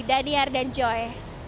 daniar dan joy